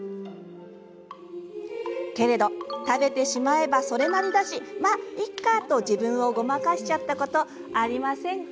けれど「食べてしまえばそれなりだしまいっか」と自分をごまかしちゃったことありませんか？